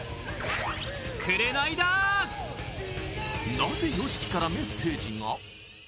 なぜＹＯＳＨＩＫＩからメッセージが？